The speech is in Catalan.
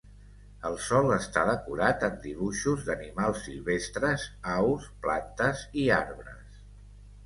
El sòl està decorat amb dibuixos d'animals silvestres, aus, plantes i arbres.